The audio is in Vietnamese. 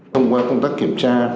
thông qua công tác kiểm tra